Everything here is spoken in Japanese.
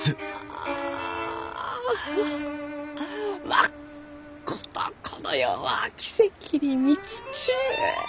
まっことこの世は奇跡に満ちちゅう。